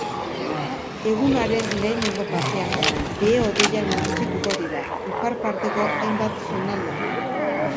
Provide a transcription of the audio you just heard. Egunaren lehenengo partean, behe-hodeiak nagusituko dira ipar parteko hainbat zonaldetan.